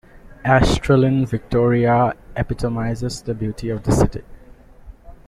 Astrelin Victoria epitomizes the beauty of the city.